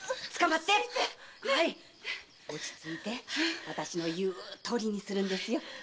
落ち着いて私の言うとおりにするんですよ。